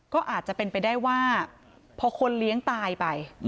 ก็อาจจะเป็นไปได้ว่าพอคนเลี้ยงตายไป